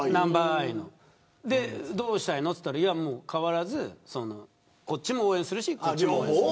どうしたいのと聞いたら変わらずこっちも応援するしこっちも応援する。